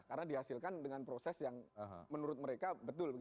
karena dihasilkan dengan proses yang menurut mereka betul